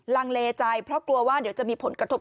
ลังเลใจเพราะกลัวว่าเดี๋ยวจะมีผลกระทบ